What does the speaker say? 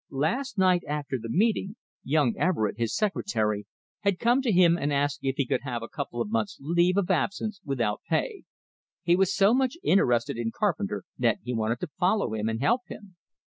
Last night, after the meeting, young Everett, his secretary, had come to him and asked if he could have a couple of months' leave of absence without pay. He was so much interested in Carpenter that he wanted to follow him and help him!